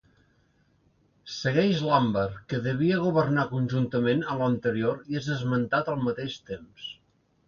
Segueix Lambert, que devia governar conjuntament amb l'anterior i és esmentat al mateix temps.